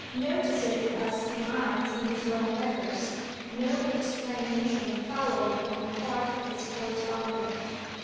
Notice it as he might in his own letters, no explanation followed on the part of his correspondent.